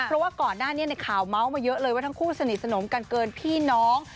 เพราะว่าก่อนหน้านี้ในข่าวเมาส์มาเยอะเลยว่าทั้งคู่สนิทสนมกันเกินพี่น้อง